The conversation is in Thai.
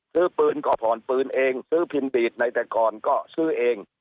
ซื้อปืนก็ผ่อนปืนเองซื้อพินบีดในแต่ก่อนก็ซื้อเอง